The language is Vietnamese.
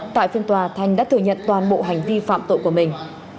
tại phiên tòa thành đã thừa nhận toàn bộ hành vi phạm tội của mình